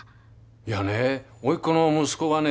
いやね甥っ子の息子がね